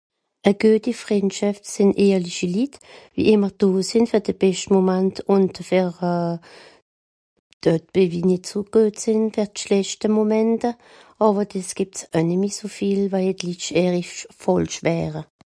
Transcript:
E güeti Frìndschäft sìnn ehrlichi Litt, wie ìmmer do sìnn fer de bescht Momant ùn fer euh... de, die wie nìtt so guet sìnn, fer d'schlechte Momente. Àwer dìs gìbt's oe nìmmi so viel, waje d Litt (...) fàlsch wäre